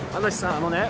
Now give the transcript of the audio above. あのね